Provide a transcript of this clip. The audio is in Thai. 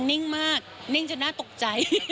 นิ่งมากนิ่งจนน่าตกใจ